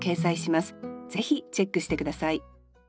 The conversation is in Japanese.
ぜひチェックして下さい。